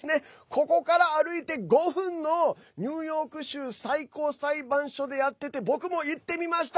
ここから歩いて５分のニューヨーク州最高裁判所でやってて僕も行ってみました。